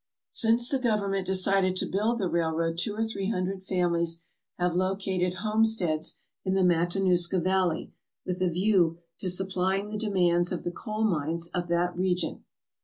Since the Government decided to build the railroad two or three hundred families have located home steads in the Matanuska Valley with a view to supplying 66 FARM LANDS OF THE FUTURE the demands of the coal mines of that region.